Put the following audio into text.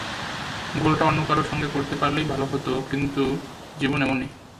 গোলটা অন্য কারও সঙ্গে করতে পারলেই ভালো হতো, কিন্তু জীবন এমনই।